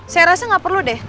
saya rasa nggak perlu deh